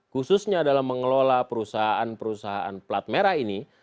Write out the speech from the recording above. khususnya dalam mengelola perusahaan perusahaan plat merah ini